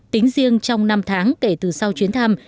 tính riêng trong năm tháng kể từ sau chuyến thăm